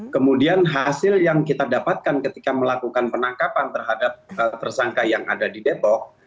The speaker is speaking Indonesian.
kemudian hasil yang kita dapatkan ketika melakukan penangkapan terhadap tersangka yang ada di depok